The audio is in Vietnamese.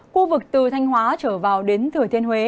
khu vực từ thanh hóa trở vào đến thừa thiên huế